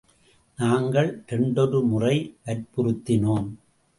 நாங்கள் இரண்டொரு முறை வற்புறுத்தினோம்.